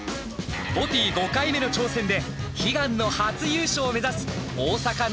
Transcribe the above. ＢＯＴＹ５回目の挑戦で悲願の初優勝を目指す大阪の